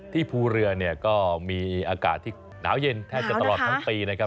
ภูเรือเนี่ยก็มีอากาศที่หนาวเย็นแทบจะตลอดทั้งปีนะครับ